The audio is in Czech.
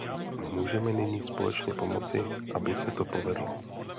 Můžeme nyní společně pomoci, aby se to povedlo.